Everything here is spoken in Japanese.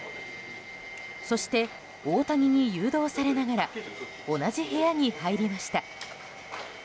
そして、大谷に誘導されながら同じ部屋に入りました。